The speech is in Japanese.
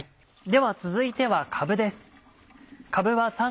では続いてはかぶです。